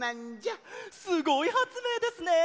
すごいはつめいですね！